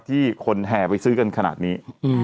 ที่คนแห่ไปซื้อกันขนาดนี้